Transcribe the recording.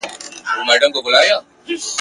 پر نازک بدن دی گرانی شگوفې د سېب تویېږی !.